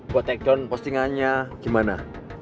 buat takedown postingannya gimana